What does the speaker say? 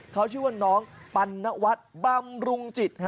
เขาชื่อว่าน้องปัณวัฒน์บำรุงจิต